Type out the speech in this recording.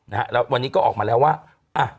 แล้ววันนี้ก็ออกมาแล้วว่า